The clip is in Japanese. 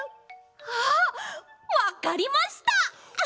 あっわかりました！